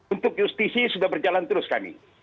untuk justisi sudah berjalan terus kami